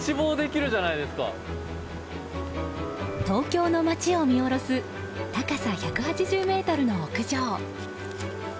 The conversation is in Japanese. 東京の街を見下ろす高さ１８０ｍの屋上。